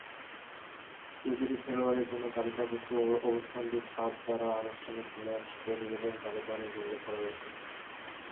প্রতিটি খেলোয়াড়ের জন্য তালিকাভুক্ত অবস্থানটি সাফ দ্বারা আনুষ্ঠানিক ম্যাচ প্রতিবেদনের তালিকা অনুযায়ী উল্লেখ করা হয়েছে।